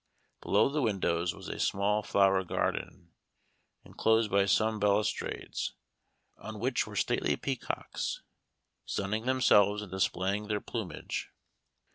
Below the windows was a small flower garden, inclosed by stone balustrades, on which were stately peacocks, sunning themselves and displaying their plumage.